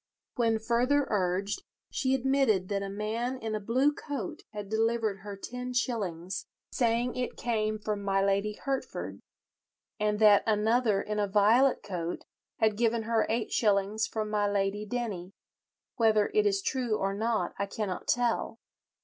When further urged, she admitted that a man in a blue coat had delivered her ten shillings, saying it came from my Lady Hertford, and that another in a violet coat had given her eight shillings from my Lady Denny—"whether it is true or not I cannot tell."